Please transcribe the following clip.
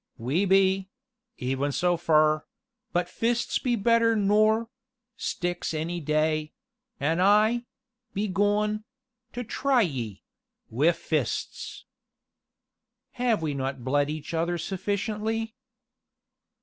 "We be even so fur but fists be better nor sticks any day an' I be goin' to try ye wi' fists!" "Have we not bled each other sufficiently?"